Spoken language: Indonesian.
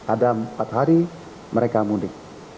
ada empat hari mereka mudik